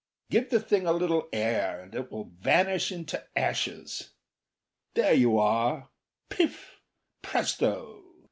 Give the thing a little air and it will vanish into ashes. There you are piff! presto!"